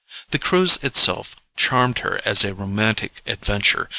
The cruise itself charmed her as a romantic adventure.